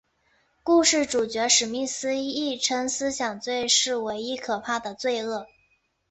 故事主角史密斯亦称思想罪是唯一可怕的罪恶。